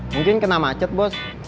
mungkin kena macet bos